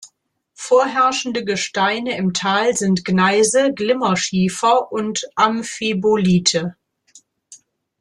Vorherrschende Gesteine im Tal sind Gneise, Glimmerschiefer und Amphibolite.